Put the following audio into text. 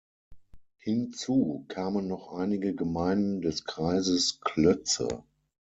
Hinzu kamen noch einige Gemeinden des Kreises Klötze.